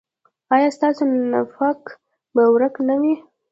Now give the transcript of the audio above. ایا ستاسو نفاق به ورک نه وي؟